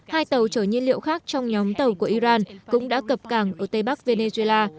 hai tàu chở nhiên liệu khác trong nhóm tàu của iran cũng đã cập cảng ở tây bắc venezuela